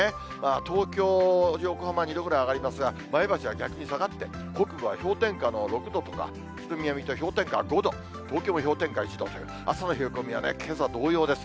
東京、横浜２度ぐらい上がりますが、前橋は逆に下がって、北部は氷点下の６度とか、宇都宮、水戸、氷点下５度、東京も氷点下１度という、朝の冷え込みはね、けさ同様です。